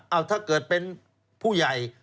เอาถ้าเกิดเป็นผู้ใหญ่